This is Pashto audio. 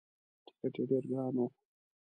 ټکت یې ډېر ګران وو.